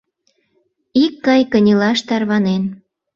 Икгай кынелаш тарванен: